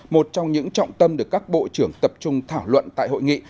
một trong những trọng tâm được các bộ trưởng tập trung thảo luận tại hội nghị